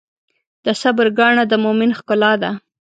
د صبر ګاڼه د مؤمن ښکلا ده.